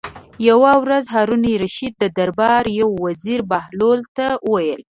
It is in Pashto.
یوه ورځ د هارون الرشید د دربار یو وزیر بهلول ته وویل.